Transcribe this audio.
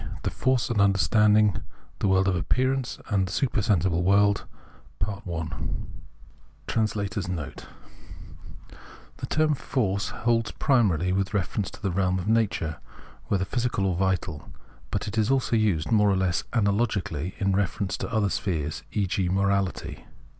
Ill FORCE AND UNDERSTANDING— THE WORLD OF APPEARANCE AND THE SUPERSENSIBLE WORLD * [The term "force" holds primarily with reference to the realm of Nature, whether physical or vital : but it is also used, more or less analogically, in reference to other spheres, e.g. morality.